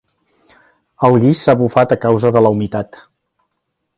El guix s'ha bufat a causa de la humitat.